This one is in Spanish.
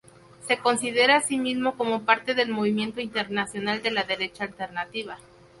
Se considera a sí mismo como parte del movimiento internacional de la derecha alternativa.